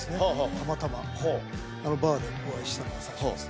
たまたま、あのバーでお会いしたのが最初ですね。